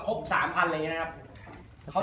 ๓๐๐อะไรอย่างนี้นะครับ